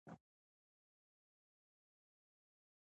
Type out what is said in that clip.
د خپلو هدفونو لپاره هڅه وکړئ.